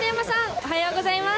おはようございます。